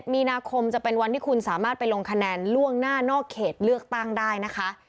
มีนาคมจะเป็นวันที่คุณสามารถไปลงคะแนนล่วงหน้านอกเขตเลือกตั้งได้นะคะ